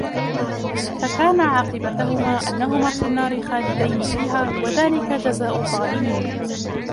فَكَانَ عَاقِبَتَهُمَا أَنَّهُمَا فِي النَّارِ خَالِدَيْنِ فِيهَا وَذَلِكَ جَزَاءُ الظَّالِمِينَ